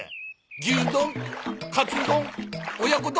牛丼カツ丼親子丼。